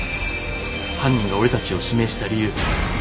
犯人が俺たちを指名した理由。